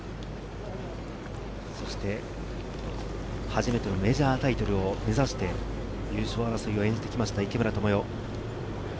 そして初めてのメジャータイトルを目指して優勝争いを演じてきました、池村寛世。